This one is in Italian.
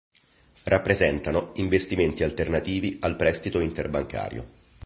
Rappresentano investimenti alternativi al prestito interbancario.